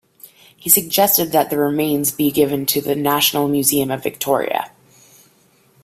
He suggested that the remains be given to the National Museum of Victoria.